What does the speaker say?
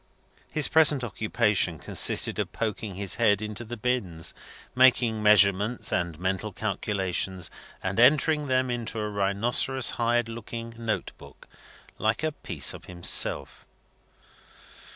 His present occupation consisted of poking his head into the bins, making measurements and mental calculations, and entering them in a rhinoceros hide looking note book, like a piece of himself.